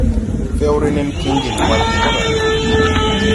Fɛwre nen kiŋgin hwal ti ɓɔgge.